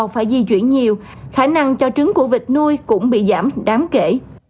phải di chuyển nhiều khả năng cho trứng của vịt nuôi cũng bị giảm đáng kể